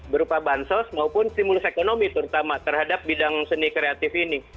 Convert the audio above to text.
berupa bansos maupun stimulus ekonomi terutama terhadap bidang seni kreatif ini